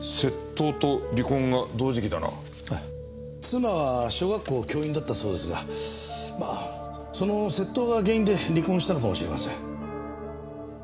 妻は小学校教員だったそうですがまあその窃盗が原因で離婚したのかもしれません。